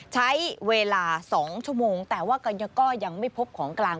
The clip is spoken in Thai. ใช้เวลา๒ชั่วโมงแต่ว่าก็ยังไม่พบของกลาง